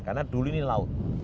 karena dulu ini laut